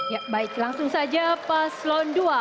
ya baik langsung saja paslon dua